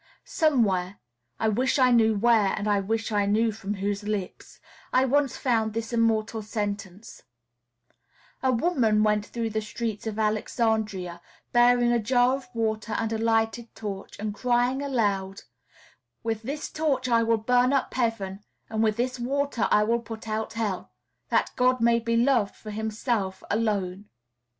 Somewhere (I wish I knew where, and I wish I knew from whose lips) I once found this immortal sentence: "A woman went through the streets of Alexandria, bearing a jar of water and a lighted torch, and crying aloud, 'With this torch I will burn up Heaven, and with this water I will put out Hell, that God may be loved for himself alone.'"